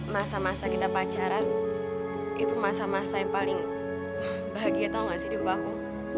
masa masa kita pacaran itu masa masa yang paling bahagia tau gak sih di rumahku